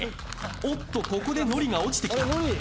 おっとここでノリが落ちてきた。